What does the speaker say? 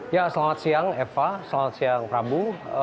ya selamat siang eva selamat siang prabu